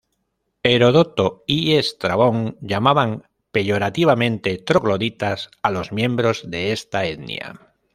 Herodoto y Estrabón llamaban peyorativamente trogloditas a los miembros de esta etnia.